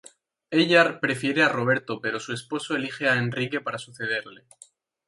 Ella prefiere a Roberto, pero su esposo elige a Enrique para sucederle.